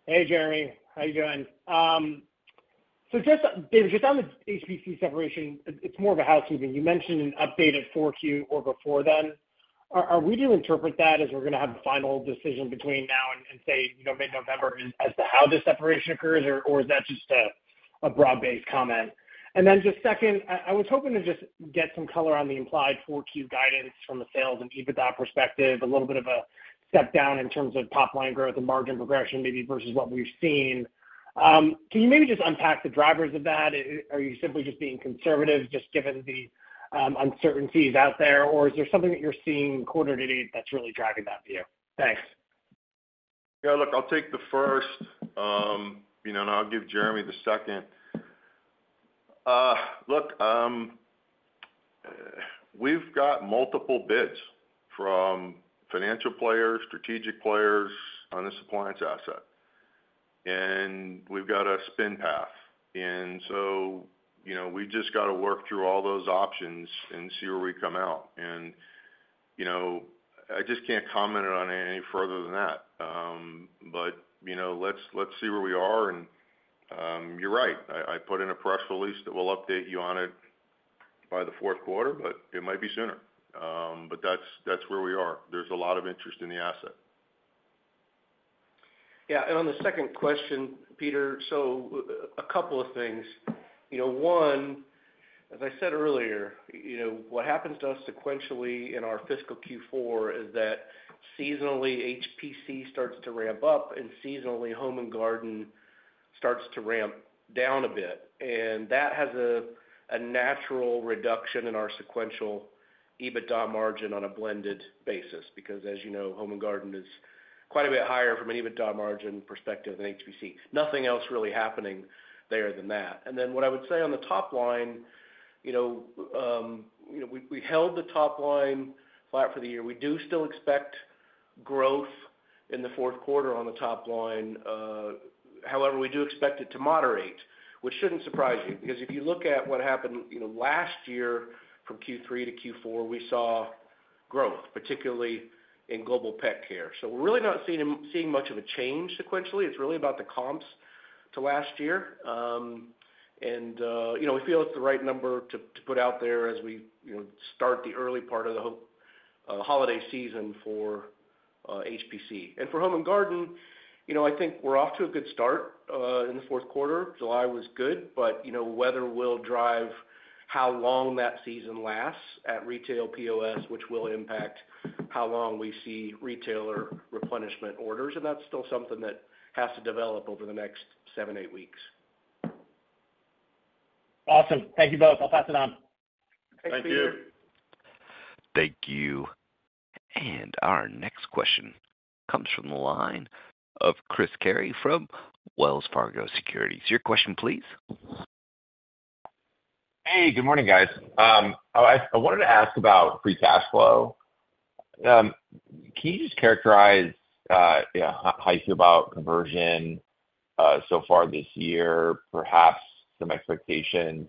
Hey, Jeremy, how you doing? So, just, David, just on the HPC separation, it's more of a housekeeping. You mentioned an update at 4Q or before then. Are we to interpret that as we're gonna have the final decision between now and say, you know, mid-November as to how the separation occurs, or is that just a broad-based comment. And then just second, I was hoping to just get some color on the implied 4Q guidance from the sales and EBITDA perspective, a little bit of a step down in terms of top line growth and margin progression, maybe versus what we've seen. Can you maybe just unpack the drivers of that? Are you simply just being conservative, just given the uncertainties out there? Or is there something that you're seeing quarter-to-date that's really driving that view? Thanks. Yeah, look, I'll take the first, you know, and I'll give Jeremy the second. Look, we've got multiple bids from financial players, strategic players on this Appliance asset, and we've got a spin path. So, you know, we just got to work through all those options and see where we come out. You know, I just can't comment on it any further than that. But, you know, let's see where we are, and you're right. I put in a press release that we'll update you on it by the fourth quarter, but it might be sooner. But that's where we are. There's a lot of interest in the asset. Yeah, and on the second question, Peter, so a couple of things. You know, one, as I said earlier, you know, what happens to us sequentially in our fiscal Q4 is that seasonally, HPC starts to ramp up, and seasonally, Home and Garden starts to ramp down a bit. And that has a natural reduction in our sequential EBITDA margin on a blended basis, because, as you know, Home and Garden is quite a bit higher from an EBITDA margin perspective than HPC. Nothing else really happening there than that. And then what I would say on the top line, you know, you know, we held the top line flat for the year. We do still expect growth in the fourth quarter on the top line. However, we do expect it to moderate, which shouldn't surprise you, because if you look at what happened, you know, last year, from Q3 to Q4, we saw growth, particularly in Global Pet Care. So, we're really not seeing much of a change sequentially. It's really about the comps to last year. You know, we feel it's the right number to put out there as we, you know, start the early part of the holiday season for HPC. And for Home and Garden, you know, I think we're off to a good start in the fourth quarter. July was good, but, you know, weather will drive how long that season lasts at retail POS, which will impact how long we see retailer replenishment orders, and that's still something that has to develop over the next 7-8 weeks. Awesome. Thank you both. I'll pass it on. Thanks, Peter. Thank you. Thank you. Our next question comes from the line of Chris Carey from Wells Fargo Securities. Your question, please. Hey, good morning, guys. I wanted to ask about free cash flow. Can you just characterize, you know, how you feel about conversion so far this year, perhaps some expectations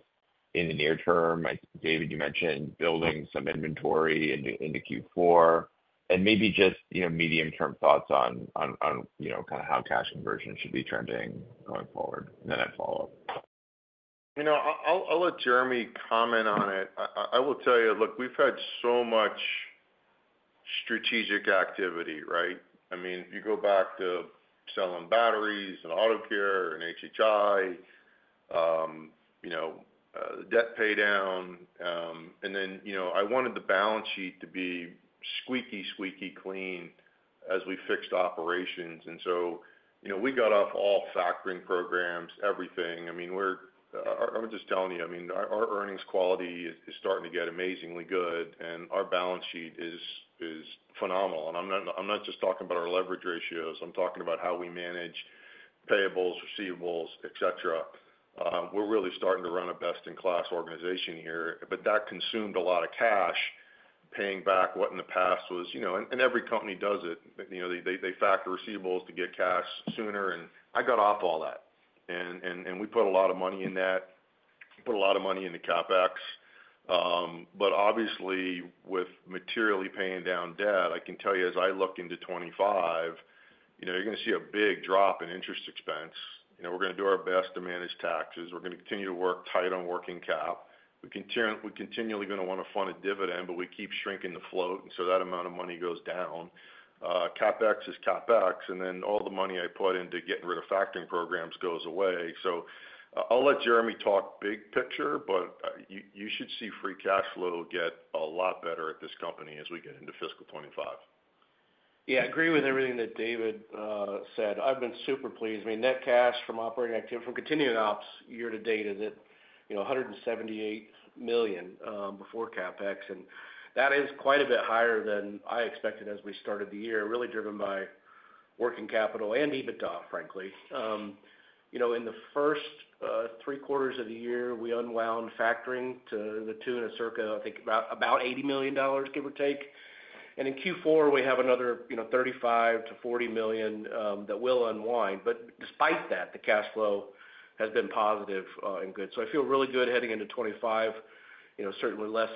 in the near term? David, you mentioned building some inventory into Q4, and maybe just, you know, medium-term thoughts on how cash conversion should be trending going forward. And then I follow up. You know, I'll let Jeremy comment on it. I will tell you, look, we've had so much strategic activity, right? I mean, if you go back to selling batteries and auto care and HHI, you know, debt paydown, and then, you know, I wanted the balance sheet to be squeaky clean as we fixed operations. So, you know, we got off all factoring programs, everything. I mean, I'm just telling you, I mean, our earnings quality is starting to get amazingly good, and our balance sheet is phenomenal. I'm not just talking about our leverage ratios, I'm talking about how we manage payables, receivables, et cetera. We're really starting to run a best-in-class organization here, but that consumed a lot of cash, paying back what in the past was... You know, and every company does it. You know, they factor receivables to get cash sooner, and I got off all that. And we put a lot of money in that. We put a lot of money into CapEx, but obviously, with materially paying down debt, I can tell you, as I look into 2025, you know, you're gonna see a big drop in interest expense. You know, we're gonna do our best to manage taxes. We're gonna continue to work tight on working cap. We continually gonna wanna fund a dividend, but we keep shrinking the float, and so that amount of money goes down. CapEx is CapEx, and then all the money I put into getting rid of factoring programs goes away. So, I'll let Jeremy talk big picture, but you should see free cash flow get a lot better at this company as we get into fiscal 2025. Yeah, I agree with everything that David said. I've been super pleased. I mean, net cash from operating activity from continuing ops year to date is at, you know, $178 million, before CapEx, and that is quite a bit higher than I expected as we started the year, really driven by working capital and EBITDA, frankly. You know, in the first three quarters of the year, we unwound factoring to the tune of circa, I think about $80 million, give or take. And in Q4, we have another, you know, $35-$40 million that will unwind. But despite that, the cash flow has been positive, and good. So, I feel really good heading into 2025, you know, certainly less,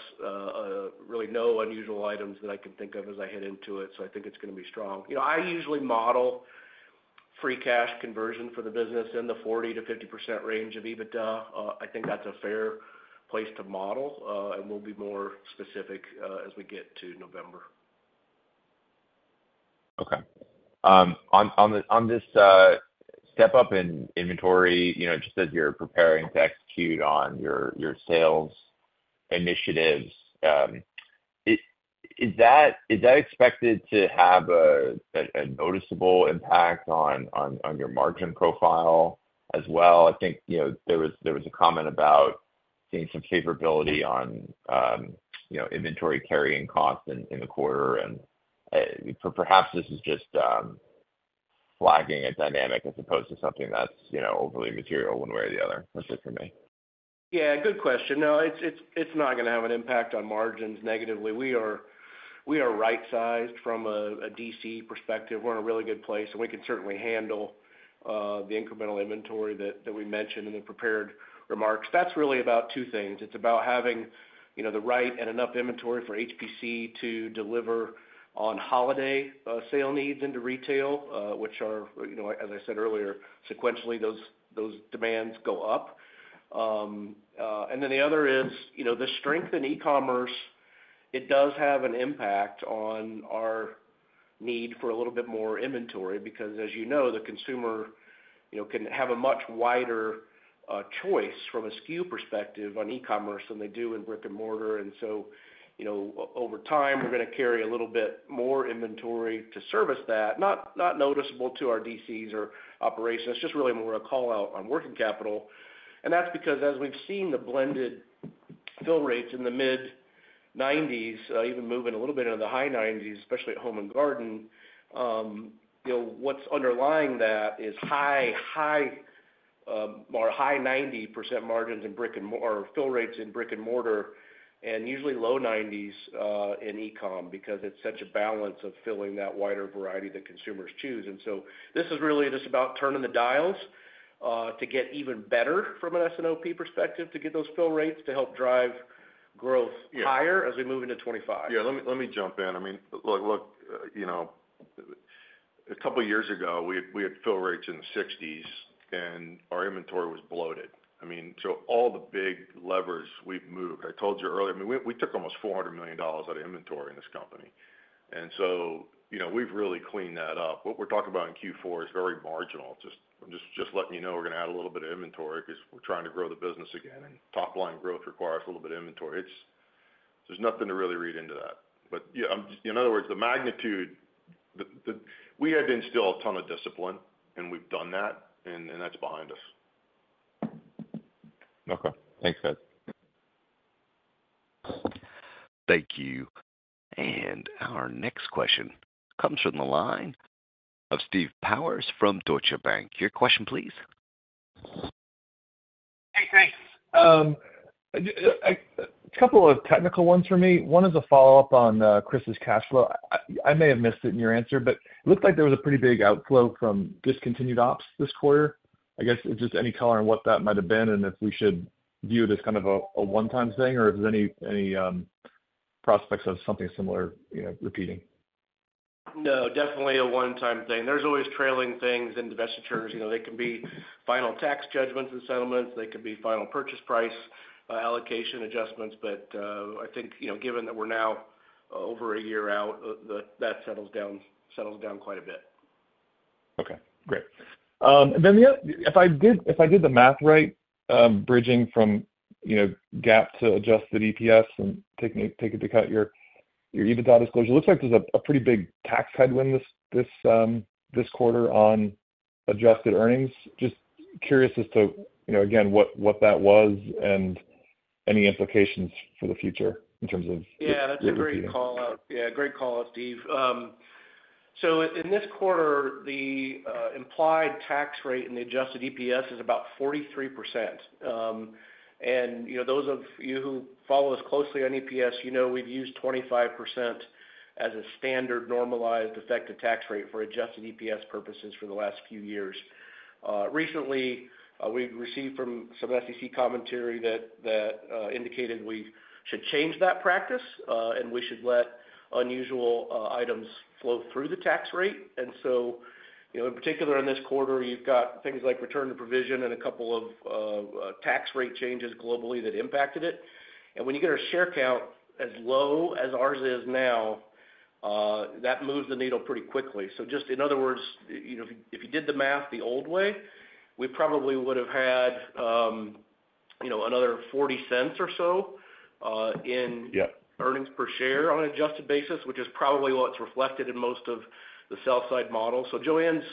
really no unusual items that I can think of as I head into it, so I think it's gonna be strong. You know, I usually model free cash conversion for the business in the 40%-50% range of EBITDA. I think that's a fair place to model, and we'll be more specific as we get to November.... Okay. On this step up in inventory, you know, just as you're preparing to execute on your sales initiatives, is that expected to have a noticeable impact on your margin profile as well? I think, you know, there was a comment about seeing some favorability on, you know, inventory carrying costs in the quarter, and perhaps this is just flagging a dynamic as opposed to something that's, you know, overly material one way or the other. That's it for me. Yeah, good question. No, it's not gonna have an impact on margins negatively. We are right-sized from a DC perspective. We're in a really good place, and we can certainly handle the incremental inventory that we mentioned in the prepared remarks. That's really about two things. It's about having, you know, the right and enough inventory for HPC to deliver on holiday sale needs into retail, which are, you know, as I said earlier, sequentially, those demands go up. And then the other is, you know, the strength in e-commerce, it does have an impact on our need for a little bit more inventory because, as you know, the consumer, you know, can have a much wider choice from a SKU perspective on e-commerce than they do in brick-and-mortar. So, you know, over time, we're gonna carry a little bit more inventory to service that. Not noticeable to our DCs or operations. It's just really more a call-out on working capital, and that's because as we've seen the blended fill rates in the mid-90s, even moving a little bit into the high 90s, especially at Home and Garden, you know, what's underlying that is high 90% fill rates in brick-and-mortar, and usually low 90s in e-com because it's such a balance of filling that wider variety that consumers choose. So, this is really just about turning the dials to get even better from an S&OP perspective, to get those fill rates to help drive growth- Yeah. higher as we move into 2025. Yeah, let me jump in. I mean, look, you know, a couple of years ago, we had fill rates in the sixties, and our inventory was bloated. I mean, so, all the big levers, we've moved. I told you earlier, I mean, we took almost $400 million out of inventory in this company. And so, you know, we've really cleaned that up. What we're talking about in Q4 is very marginal. Just, I'm letting you know we're gonna add a little bit of inventory because we're trying to grow the business again, and top-line growth requires a little bit of inventory. It's. There's nothing to really read into that. But, yeah, in other words, the magnitude, the. We had to instill a ton of discipline, and we've done that, and that's behind us. Okay. Thanks, guys. Thank you. And our next question comes from the line of Steve Powers from Deutsche Bank. Your question, please. Hey, thanks. A couple of technical ones for me. One is a follow-up on Chris's cash flow. I may have missed it in your answer, but it looked like there was a pretty big outflow from discontinued ops this quarter. I guess just any color on what that might have been, and if we should view it as kind of a one-time thing, or if there's any prospects of something similar, you know, repeating? No, definitely a one-time thing. There's always trailing things in divestitures. You know, they can be final tax judgments and settlements, they could be final purchase price allocation adjustments. But, I think, you know, given that we're now over a year out, that settles down, settles down quite a bit. Okay, great. And then the other... If I did, if I did the math right, bridging from, you know, GAAP to adjusted EPS and taking into account your, your EBITDA disclosure, looks like there's a, a pretty big tax headwind this, this, this quarter on adjusted earnings. Just curious as to, you know, again, what, what that was and any implications for the future in terms of- Yeah, that's a great call out. Yeah, great call out, Steve. So, in this quarter, the implied tax rate in the adjusted EPS is about 43%. And, you know, those of you who follow us closely on EPS, you know we've used 25% as a standard normalized effective tax rate for adjusted EPS purposes for the last few years. Recently, we've received from some SEC commentary that indicated we should change that practice, and we should let unusual items flow through the tax rate. And so, you know, in particular, in this quarter, you've got things like return to provision and a couple of tax rate changes globally that impacted it. And when you get our share count as low as ours is now, that moves the needle pretty quickly. So just in other words, you know, if you did the math the old way, we probably would have had, you know, another $0.40 or so, in- Yeah earnings per share on an adjusted basis, which is probably what's reflected in most of the sell side models. So, Joanne's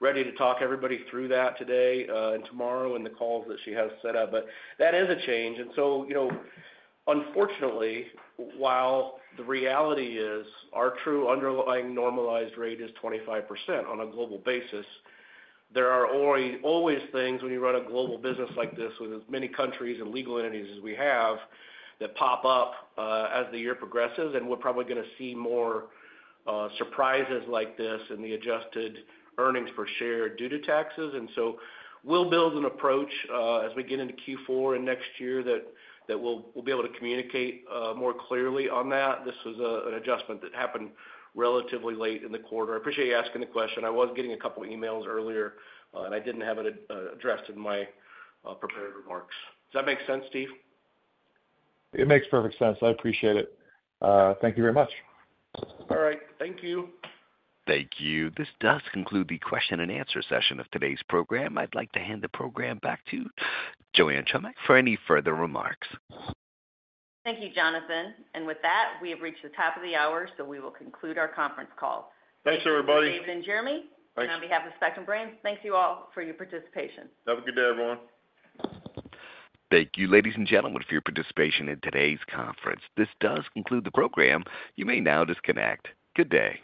ready to talk everybody through that today, and tomorrow in the calls that she has set up. But that is a change. And so, you know, unfortunately, while the reality is our true underlying normalized rate is 25% on a global basis, there are always things when you run a global business like this, with as many countries and legal entities as we have, that pop up, as the year progresses, and we're probably gonna see more, surprises like this in the adjusted earnings per share due to taxes. And so we'll build an approach, as we get into Q4 and next year, that, that we'll, we'll be able to communicate, more clearly on that. This was an adjustment that happened relatively late in the quarter. I appreciate you asking the question. I was getting a couple of emails earlier, and I didn't have it addressed in my prepared remarks. Does that make sense, Steve? It makes perfect sense. I appreciate it. Thank you very much. All right. Thank you. Thank you. This does conclude the question and answer session of today's program. I'd like to hand the program back to Joanne Chomiak for any further remarks. Thank you, Jonathan. And with that, we have reached the top of the hour, so we will conclude our conference call. Thanks, everybody. Thank you, Dave and Jeremy. Thanks. On behalf of Spectrum Brands, thank you all for your participation. Have a good day, everyone. Thank you, ladies and gentlemen, for your participation in today's conference. This does conclude the program. You may now disconnect. Good day.